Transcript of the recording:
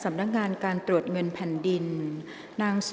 กรรมการท่านแรกนะคะได้แก่กรรมการใหม่เลขกรรมการขึ้นมาแล้วนะคะ